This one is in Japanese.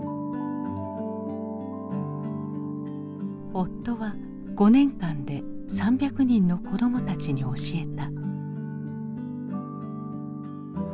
夫は５年間で３００人の子どもたちに教えた。